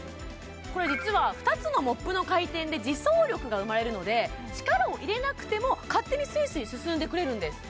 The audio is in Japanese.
これ実は２つのモップの回転で自走力が生まれるので力を入れなくても勝手にすいすい進んでくれるんです